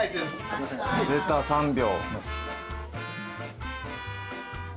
出た３秒。